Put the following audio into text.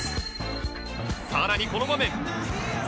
さらにこの場面